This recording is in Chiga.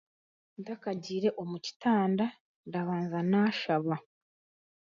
Ntakagiire omu kitanda, ndabanza naashaba